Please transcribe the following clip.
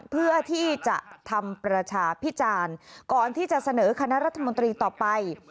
เพื่อที่จะทำประชาพิจารณ์ก่อนที่จะเสนอคณะรัฐมนตรีต่อไป